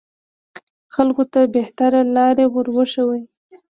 خلکو ته بهترې لارې وروښيي